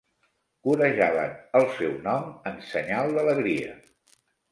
Corejaven el seu nom en senyal d'alegria.